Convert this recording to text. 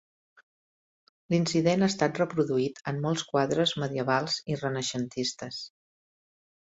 L'incident ha estat reproduït en molts quadres medievals i renaixentistes.